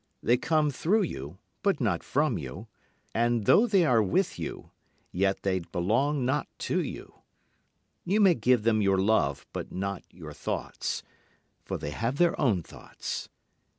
They come through you but not from you, And though they are with you yet they belong not to you. You may give them your love but not your thoughts, For they have their own thoughts.